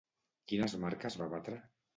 Quines marques va batre?